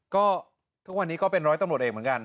ก็ทุกวันนี้ก็เป็นร้อยตำรวจเอกเหมือนกัน